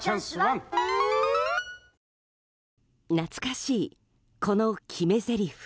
懐かしい、この決めぜりふ。